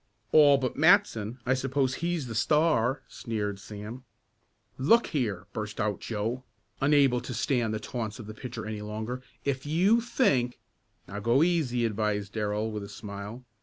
"All but Matson; I suppose he's the star," sneered Sam. "Look here," burst out Joe, unable to stand the taunts of the pitcher any longer, "if you think " "Now, go easy," advised Darrell with a smile.